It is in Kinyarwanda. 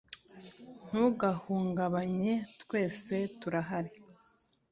ntugahungabanye twese turahari